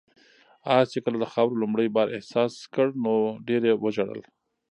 آس چې کله د خاورو لومړی بار احساس کړ نو ډېر یې وژړل.